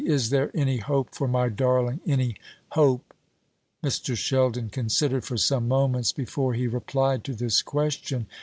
"Is there any hope for my darling, any hope?" Mr. Sheldon considered for some moments before he replied to this question.